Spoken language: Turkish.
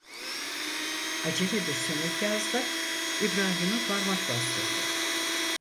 Acele bir senet yazdı, İbrahim'e parmak bastırdı.